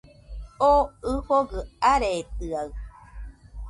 O ɨfogɨ aretɨaɨ